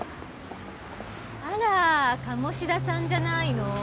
あら鴨志田さんじゃないの？